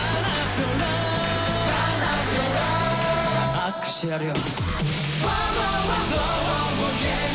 熱くしてやるよ。